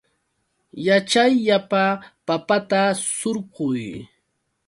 Yaćhayllapa papata surquy.